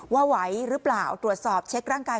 ไหวหรือเปล่าตรวจสอบเช็คร่างกาย